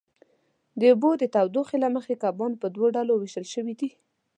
د اوبو د تودوخې له مخې کبان په دوو ډلو وېشل شوي دي.